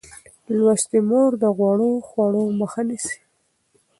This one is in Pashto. لوستې مور د غوړو خوړو مخه نیسي.